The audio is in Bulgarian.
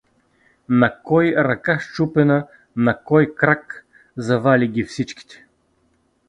На кой ръка счупена, на кой — крак, завали ги всичките.